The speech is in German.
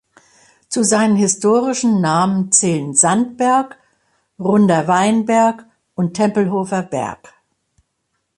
Zu seinen historischen Namen zählen "Sandberg", "Runder Weinberg" und "Tempelhofer Berg".